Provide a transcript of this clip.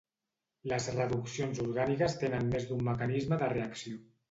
Les reduccions orgàniques tenen més d'un mecanisme de reacció.